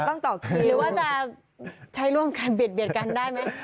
ต้องต่อคิวหรือว่าจะใช้ร่วมกันเบียดกันได้ไหม